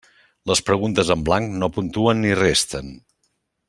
Les preguntes en blanc no puntuen ni resten.